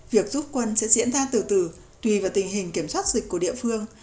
việc rút quân sẽ diễn ra từ từ tùy vào tình hình kiểm soát dịch của địa phương